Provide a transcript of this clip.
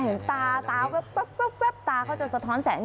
เห็นตาตาแว๊บตาเขาจะสะท้อนแสง